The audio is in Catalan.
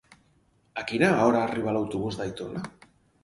A quina hora arriba l'autobús d'Aitona?